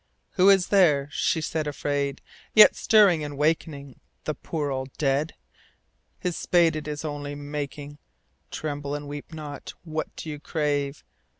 Who is there, she said afraid, yet Stirring and awaking The poor old dead? His spade, it Is only making, — (Tremble and weep not I What do you crave ?)